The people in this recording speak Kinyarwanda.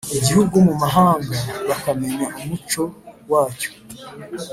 igihugu mu mahanga bakamenya umuco wacyo.